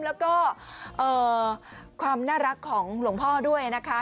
แล้วก็ความน่ารักของหลวงพ่อด้วยนะคะ